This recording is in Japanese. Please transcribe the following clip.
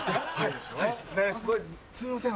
すいません